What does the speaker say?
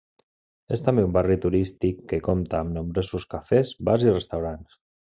És també un barri turístic que compta amb nombrosos cafès, bars i restaurants.